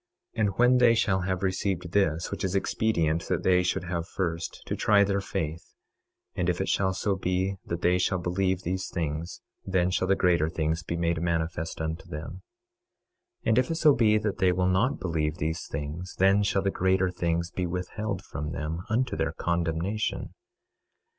26:9 And when they shall have received this, which is expedient that they should have first, to try their faith, and if it shall so be that they shall believe these things then shall the greater things be made manifest unto them. 26:10 And if it so be that they will not believe these things, then shall the greater things be withheld from them, unto their condemnation.